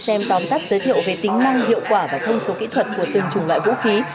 xem tóm tắt giới thiệu về tính năng hiệu quả và thông số kỹ thuật của từng chủng loại vũ khí